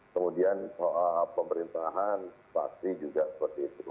kemudian soal pemerintahan pasti juga seperti itu